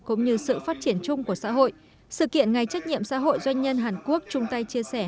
cũng như sự phát triển chung của xã hội sự kiện ngày trách nhiệm xã hội doanh nhân hàn quốc trung tây chia sẻ hai nghìn hai mươi